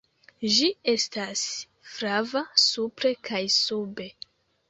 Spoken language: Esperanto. Ĝi estas flava supre kaj sube.